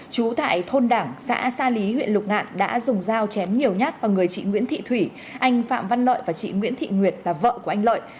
chú tại thôn đảng xã sa lý huyện lục ngạn đã dùng dao chém nhiều nhát vào người chị nguyễn thị thủy anh phạm văn lợi và chị nguyễn thị nguyệt là vợ của anh lợi